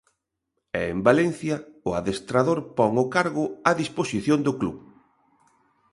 E en Valencia o adestrador pon o cargo á disposición do club.